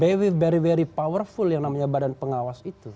very very very powerful yang namanya badan pengawas itu